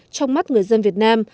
trong mắt người dân việt nam